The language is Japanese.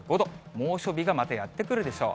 猛暑日がまたやって来るでしょう。